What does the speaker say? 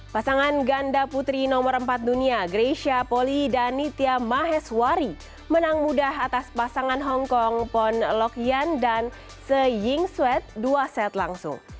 dengan ganda putri nomor empat dunia greysia poli dan nitya maheswari menang mudah atas pasangan hong kong pon lokian dan se ying suet dua set langsung